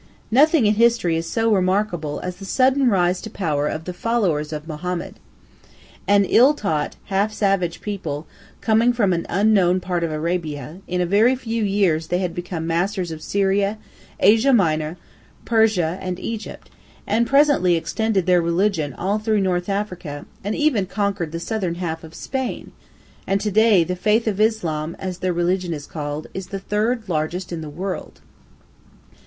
Nothing in history is so remarkable as the sudden rise to power of the followers of Mohammed. An ill taught, half savage people, coming from an unknown part of Arabia, in a very few years they had become masters of Syria, Asia Minor, Persia, and Egypt, and presently extended their religion all through North Africa, and even conquered the southern half of Spain, and to day the Faith of Islam, as their religion is called, is the third largest in the world.